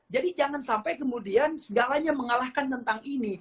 jadi jangan sampai kemudian segalanya mengalahkan tentang ini